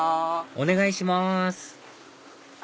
お願いします